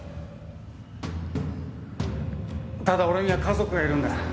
ただ俺には家族がいるんだ。